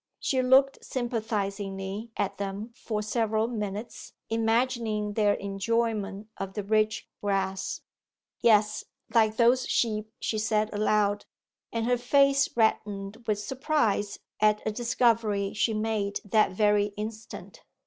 She looked sympathizingly at them for several minutes, imagining their enjoyment of the rich grass. 'Yes like those sheep,' she said aloud; and her face reddened with surprise at a discovery she made that very instant.